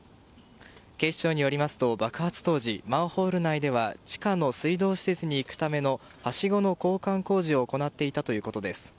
警視庁によりますと、爆発当時マンホール内では地下の水道施設に行くためのはしごの交換工事を行っていたということです。